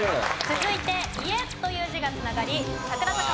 続いて「家」という字が繋がり櫻坂